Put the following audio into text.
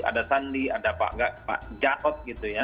ada sandi ada pak jakob